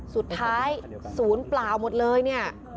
สุดท้ายศูนย์เปล่าหมดเลยเนี่ย